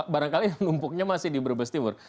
barangkali lumpuknya masih di berbes timur